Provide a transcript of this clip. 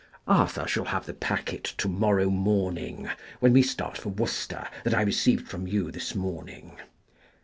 Arthur shall have the packet tomorrow morning (when we start for Worcester), that T received from you this morning.